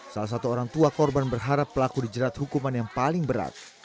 salah satu orang tua korban berharap pelaku dijerat hukuman yang paling berat